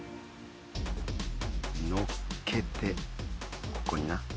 のっけてここにな。